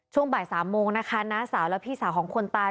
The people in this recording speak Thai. ช่วงบ่ายสามโมงนะคะน้าสาวและพี่สาวของคนตาย